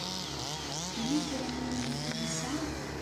Yella kra n yiwenniten ay tesɛiḍ?